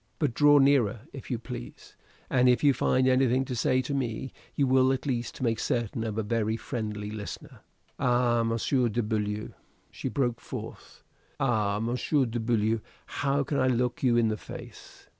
But draw nearer, if you please; and if you find anything to say to me, you will at least make certain of a very friendly listener. Ah! Monsieur de Beaulieu," she broke forth "ah! Monsieur de Beaulieu, how can I look you in the face?"